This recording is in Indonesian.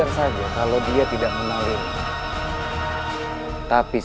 kau harus meminta maaf